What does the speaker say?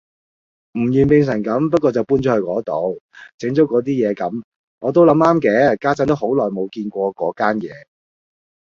唔願變成咁，不過就搬咗去嗰度，整咗嗰啲嘢咁我諗都啱嘅，家陣都好耐冇見過嗰間野